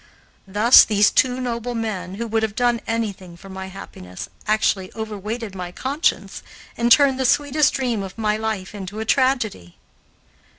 Thus these two noble men, who would have done anything for my happiness, actually overweighted my conscience and turned the sweetest dream of my life into a tragedy.